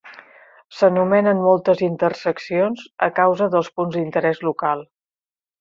S'anomenen moltes interseccions a causa dels punts d'interès local.